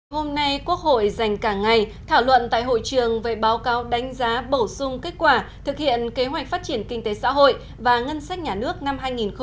hôm nay quốc hội dành cả ngày thảo luận tại hội trường về báo cáo đánh giá bổ sung kết quả thực hiện kế hoạch phát triển kinh tế xã hội và ngân sách nhà nước năm hai nghìn một mươi chín